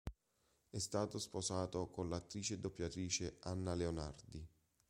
È stato sposato con l'attrice e doppiatrice Anna Leonardi.